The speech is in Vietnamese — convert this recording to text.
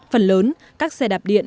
phần lớn các xe đạp điện